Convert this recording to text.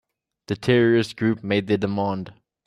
The terrorist group made their demand.